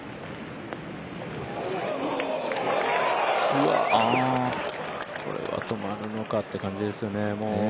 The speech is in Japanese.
うわこれは止まるの勝って感じですよね。